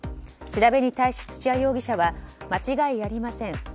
調べに対し、土屋容疑者は間違いありません。